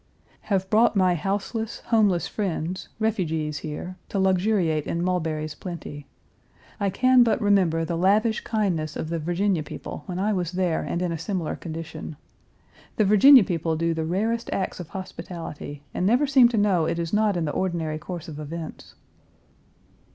Have brought my houseless, homeless friends, refugees here, to luxuriate in Mulberry's plenty. I can but remember the lavish kindness of the Virginia people when I was there and in a similar condition. The Virginia people do the rarest acts of hospitality and never seem to know it is not in the ordinary course of events.